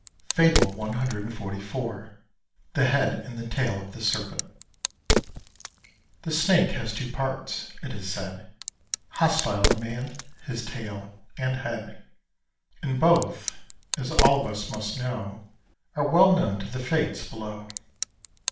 FABLE CXLIV. THE HEAD AND THE TAIL OF THE SERPENT. The Snake has two parts, it is said, Hostile to man his tail and head; And both, as all of us must know, Are well known to the Fates below.